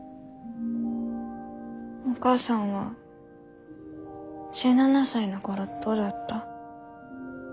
お母さんは１７才の頃どうだった？